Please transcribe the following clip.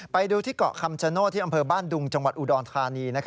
ไปดูที่เกาะคำชโนธที่อำเภอบ้านดุงจังหวัดอุดรธานี